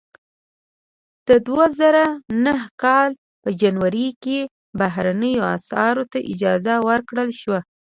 د دوه زره نهه کال په جنوري کې بهرنیو اسعارو ته اجازه ورکړل شوه.